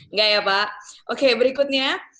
enggak ya pak oke berikutnya